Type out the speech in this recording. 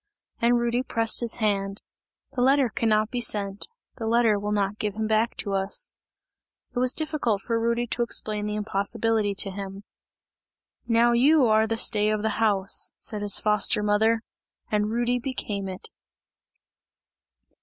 And Rudy pressed his hand, "the letter cannot be sent, the letter will not give him back to us!" It was difficult for Rudy to explain the impossibility to him. "Now you are the stay of the house!" said his foster mother, and Rudy became it.